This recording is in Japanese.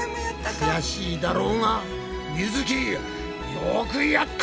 悔しいだろうがみづきよくやった！